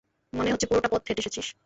মনে হচ্ছে পুরোটা পথ হেঁটে এসেছিস!